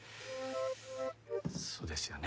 そうですよね